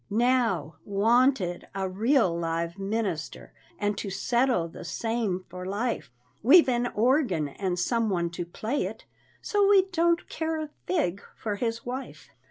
Now, "Wanted, a real live minister," And to settle the same for life, We've an organ and some one to play it, So we don't care a fig for his wife.